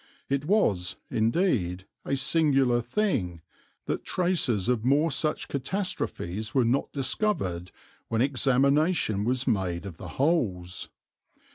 It was, indeed, a singular thing that traces of more such catastrophes were not discovered when examination was made of the holes.